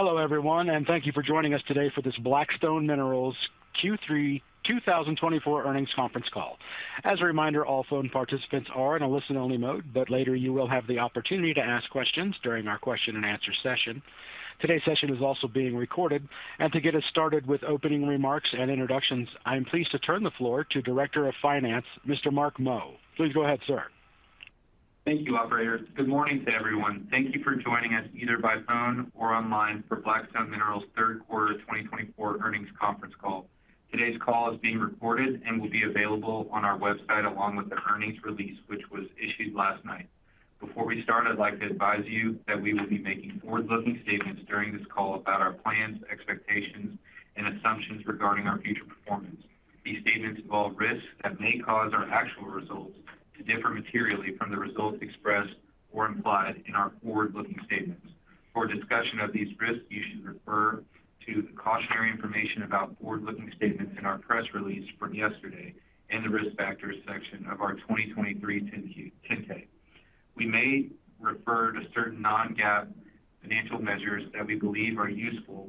Hello everyone, and thank you for joining us today for this Black Stone Minerals Q3 2024 Earnings Conference Call. As a reminder, all phone participants are in a listen-only mode, but later you will have the opportunity to ask questions during our question-and-answer session. Today's session is also being recorded, and to get us started with opening remarks and introductions, I'm pleased to turn the floor to Director of Finance, Mr. Marc Moe. Please go ahead, sir. Thank you, operator. Good morning to everyone. Thank you for joining us either by phone or online for Black Stone Minerals Q3 2024 Earnings Conference Call. Today's call is being recorded and will be available on our website along with the earnings release, which was issued last night. Before we start, I'd like to advise you that we will be making forward-looking statements during this call about our plans, expectations, and assumptions regarding our future performance. These statements involve risks that may cause our actual results to differ materially from the results expressed or implied in our forward-looking statements. For discussion of these risks, you should refer to the cautionary information about forward-looking statements in our press release from yesterday and the risk factors section of our 2023 10-K. We may refer to certain non-GAAP financial measures that we believe are useful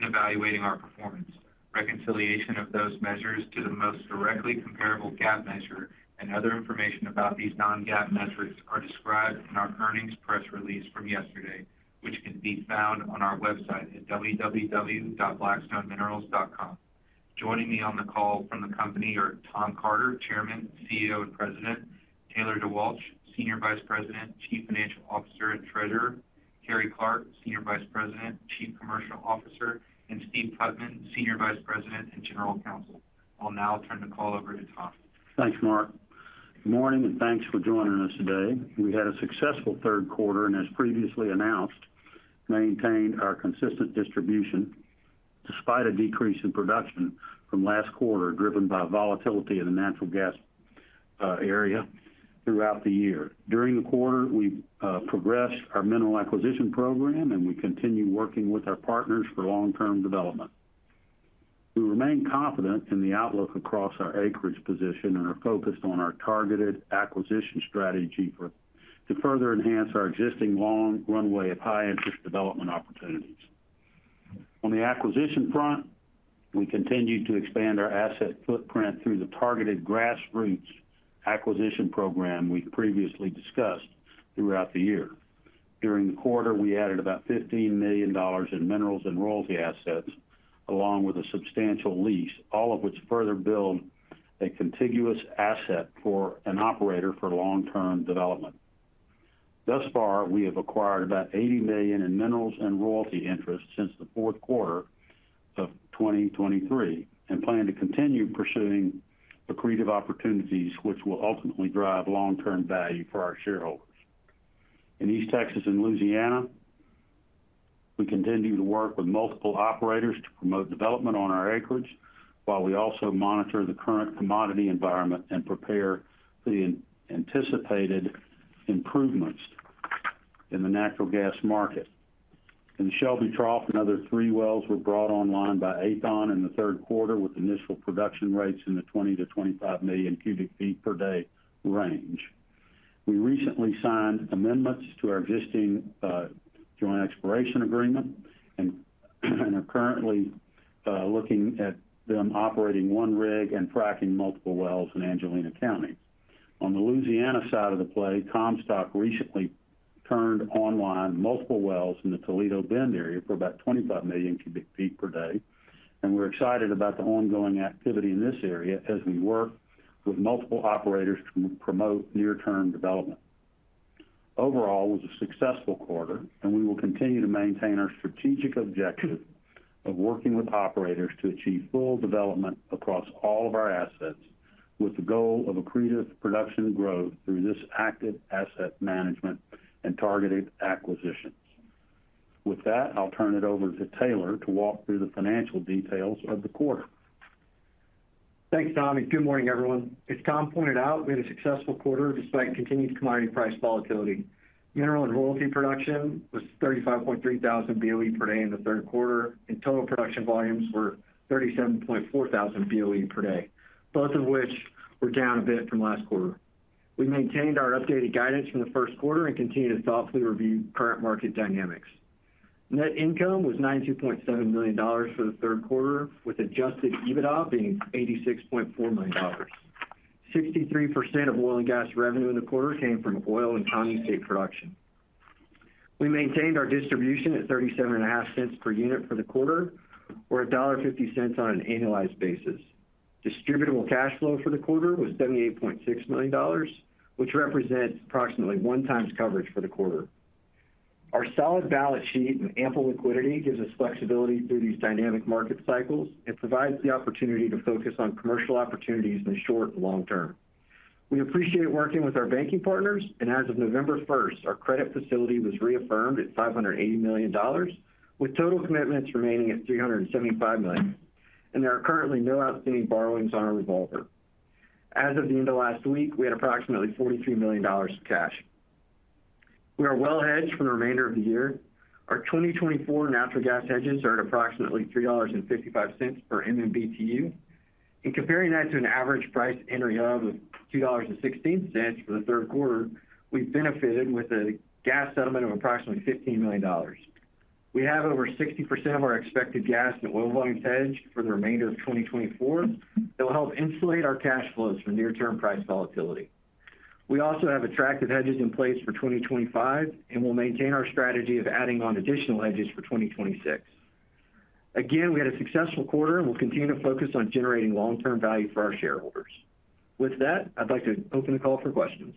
in evaluating our performance. Reconciliation of those measures to the most directly comparable GAAP measure and other information about these non-GAAP metrics are described in our earnings press release from yesterday, which can be found on our website at www.blackstoneminerals.com. Joining me on the call from the company are Tom Carter, Chairman, CEO, and President. Taylor DeWalch, Senior Vice President, Chief Financial Officer and Treasurer. Carrie Clark, Senior Vice President, Chief Commercial Officer. And Steve Putman, Senior Vice President and General Counsel. I'll now turn the call over to Tom. Thanks, Marc. Good morning, and thanks for joining us today. We had a successful Q3 and, as previously announced, maintained our consistent distribution despite a decrease in production from last quarter driven by volatility in the natural gas area throughout the year. During the quarter, we progressed our mineral acquisition program, and we continue working with our partners for long-term development. We remain confident in the outlook across our acreage position and are focused on our targeted acquisition strategy to further enhance our existing long runway of high-interest development opportunities. On the acquisition front, we continue to expand our asset footprint through the targeted grassroots acquisition program we previously discussed throughout the year. During the quarter, we added about $15 million in minerals and royalty assets along with a substantial lease, all of which further build a contiguous asset for an operator for long-term development. Thus far, we have acquired about $80 million in minerals and royalty interests since Q4 of 2023 and plan to continue pursuing accretive opportunities, which will ultimately drive long-term value for our shareholders. In East Texas and Louisiana, we continue to work with multiple operators to promote development on our acreage, while we also monitor the current commodity environment and prepare for the anticipated improvements in the natural gas market. In Shelby Trough, another three wells were brought online by Aethon in Q3 with initial production rates in the 20 million-25 million cubic feet per day range. We recently signed amendments to our existing joint exploration agreement and are currently looking at them operating one rig and fracking multiple wells in Angelina County. On the Louisiana side of the play, Comstock recently turned online multiple wells in the Toledo Bend area for about 25 million cubic feet per day, and we're excited about the ongoing activity in this area as we work with multiple operators to promote near-term development. Overall, it was a successful quarter, and we will continue to maintain our strategic objective of working with operators to achieve full development across all of our assets with the goal of accretive production growth through this active asset management and targeted acquisitions. With that, I'll turn it over to Taylor to walk through the financial details of the quarter. Thanks, Tom. Good morning, everyone. As Tom pointed out, we had a successful quarter despite continued commodity price volatility. Mineral and royalty production was 35.3 thousand Boe per day in Q3, and total production volumes were 37.4 thousand Boe per day, both of which were down a bit from last quarter. We maintained our updated guidance from Q1 and continue to thoughtfully review current market dynamics. Net income was $92.7 million for Q3, with adjusted EBITDA being $86.4 million. 63% of oil and gas revenue in the quarter came from oil and condensate production. We maintained our distribution at $0.37 per unit for Q3, or $1.50 on an annualized basis. Distributable cash flow for Q4 was $78.6 million, which represents approximately 1.0x coverage for Q4. Our solid balance sheet and ample liquidity give us flexibility through these dynamic market cycles and provide the opportunity to focus on commercial opportunities in the short and long term. We appreciate working with our banking partners, and as of November 1, our credit facility was reaffirmed at $580 million, with total commitments remaining at $375 million, and there are currently no outstanding borrowings on our revolver. As of the end of last week, we had approximately $43 million of cash. We are well hedged for the remainder of the year. Our 2024 natural gas hedges are at approximately $3.55 per MMBtu. In comparing that to an average price entry of $2.16 for Q3, we benefited with a gas settlement of approximately $15 million. We have over 60% of our expected gas and oil volumes hedged for the remainder of 2024 that will help insulate our cash flows from near-term price volatility. We also have attractive hedges in place for 2025 and will maintain our strategy of adding on additional hedges for 2026. Again, we had a successful quarter, and we'll continue to focus on generating long-term value for our shareholders. With that, I'd like to open the call for questions.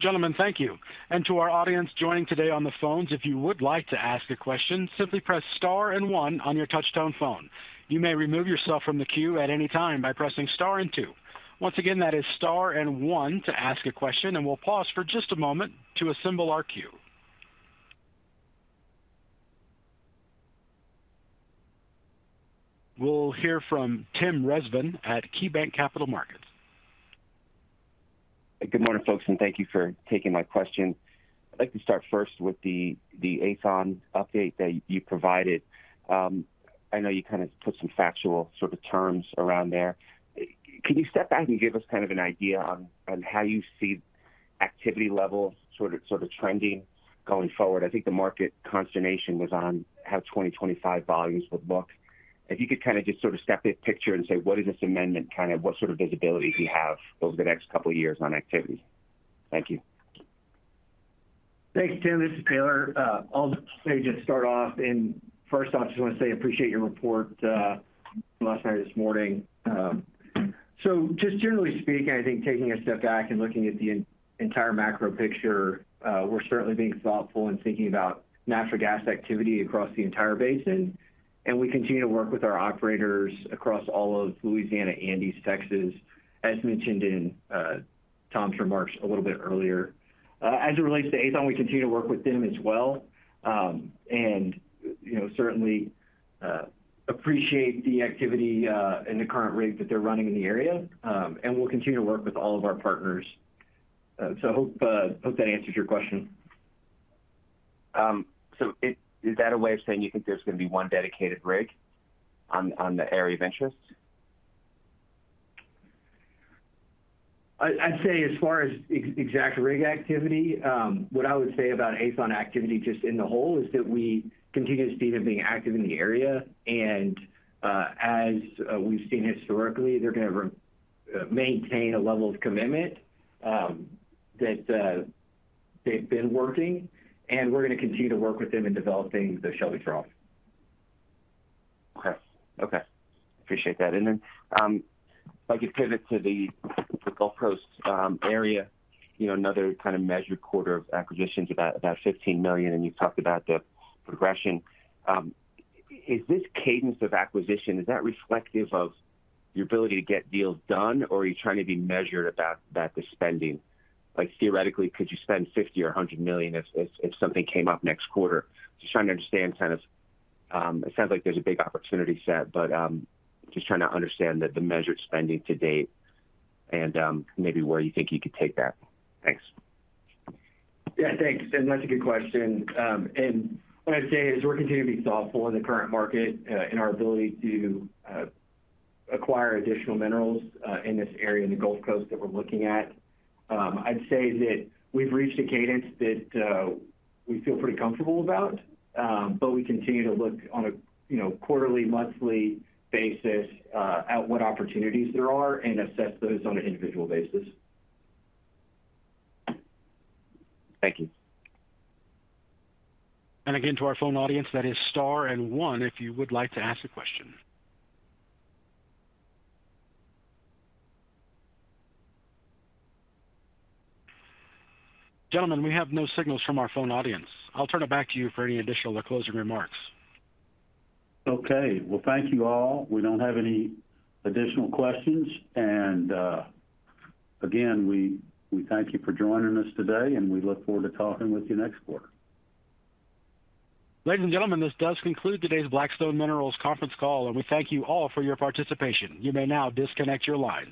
Gentlemen, thank you. And to our audience joining today on the phones, if you would like to ask a question, simply press Star and One on your touch-tone phone. You may remove yourself from the queue at any time by pressing Star and Two. Once again, that is Star and One to ask a question, and we'll pause for just a moment to assemble our queue. We'll hear from Tim Rezvan at KeyBanc Capital Markets. Good morning, folks, and thank you for taking my question. I'd like to start first with the Aethon update that you provided. I know you kind of put some parameters around there. Can you step back and give us kind of an idea on how you see activity level sort of trending going forward? I think the market consternation was on how 2025 volumes would look. If you could kind of just sort of paint a picture and say, what is this amendment, kind of what sort of visibility do you have over the next couple of years on activity? Thank you. Thanks, Tim. This is Taylor. I'll just say, just start off and first off, I just want to say I appreciate your report last night or this morning, so just generally speaking, I think taking a step back and looking at the entire macro picture, we're certainly being thoughtful in thinking about natural gas activity across the entire basin, and we continue to work with our operators across all of Louisiana and East Texas, as mentioned in Tom's remarks a little bit earlier. As it relates to Aethon, we continue to work with them as well and certainly appreciate the activity and the current rig that they're running in the area, and we'll continue to work with all of our partners, so I hope that answers your question. So is that a way of saying you think there's going to be one dedicated rig on the area of interest? I'd say as far as exact rig activity, what I would say about Aethon activity just in the whole is that we continue to see them being active in the area, and as we've seen historically, they're going to maintain a level of commitment that they've been working, and we're going to continue to work with them in developing the Shelby Trough. Okay. Okay. Appreciate that. And then if I could pivot to the Gulf Coast area, another kind of measured quarter of acquisitions, about $15 million, and you've talked about the progression. Is this cadence of acquisition, is that reflective of your ability to get deals done, or are you trying to be measured about the spending? Theoretically, could you spend $50 or $100 million if something came up next quarter? Just trying to understand kind of it sounds like there's a big opportunity set, but just trying to understand the measured spending to date and maybe where you think you could take that. Thanks. Yeah, thanks. That's a good question. And what I'd say is we're continuing to be thoughtful in the current market in our ability to acquire additional minerals in this area in the Gulf Coast that we're looking at. I'd say that we've reached a cadence that we feel pretty comfortable about, but we continue to look on a quarterly, monthly basis at what opportunities there are and assess those on an individual basis. Thank you. Again, to our phone audience, that is Star and One if you would like to ask a question. Gentlemen, we have no signals from our phone audience. I'll turn it back to you for any additional closing remarks. Okay. Well, thank you all. We don't have any additional questions. And again, we thank you for joining us today, and we look forward to talking with you next quarter. Ladies and gentlemen, this does conclude today's Black Stone Minerals Conference Call, and we thank you all for your participation. You may now disconnect your lines.